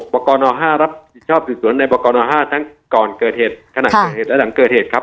ปกรณ๕รับผิดชอบสืบสวนในบกน๕ทั้งก่อนเกิดเหตุขณะเกิดเหตุและหลังเกิดเหตุครับ